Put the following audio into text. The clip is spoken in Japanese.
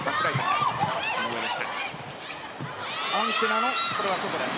アンテナの外です。